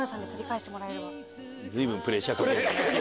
随分プレッシャーかける。